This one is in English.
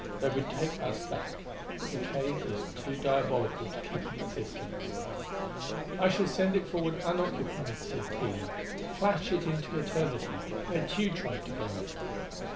They would take us back; but the cage was too diabolical to keep in existence. "I shall send it forward unoccupied," said Tina; "flash it into Eternity, where Tugh tried to go."